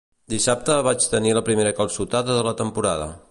Dissabte vaig tenir la primera calçotada de la temporada.